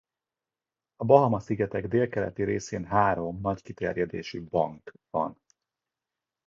A Bahama-szigetek délkeleti részén három, nagy kiterjedésű „bank” van.